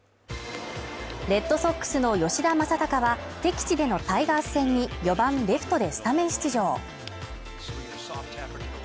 レッドソックスの吉田正尚は敵地でのタイガース戦に４番・レフトでスタメン出場。